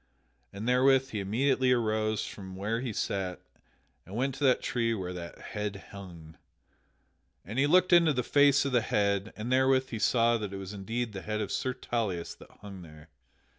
and therewith he immediately arose from where he sat and went to that tree where the head hung. And he looked into the face of the head, and therewith he saw that it was indeed the head of Sir Tauleas that hung there.